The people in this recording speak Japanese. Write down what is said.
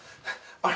あれ？